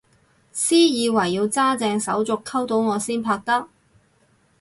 私以為要揸正手續溝到我先拍得